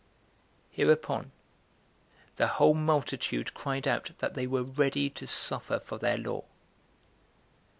Hereupon the whole multitude cried out that they were ready to suffer for their law.